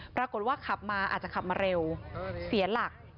ปรากฏว่าขับมาอาจจะขับมาเร็วเสียหลัก